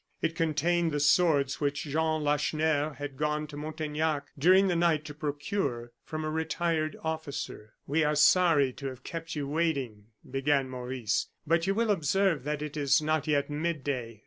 It contained the swords which Jean Lacheneur had gone to Montaignac during the night to procure from a retired officer. "We are sorry to have kept you waiting," began Maurice, "but you will observe that it is not yet midday.